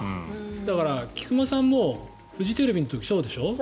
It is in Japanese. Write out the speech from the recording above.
だから、菊間さんもフジテレビの時そうでしょ？